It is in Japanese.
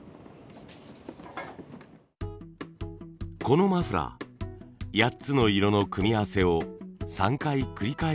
このマフラー８つの色の組み合わせを３回繰り返してできています。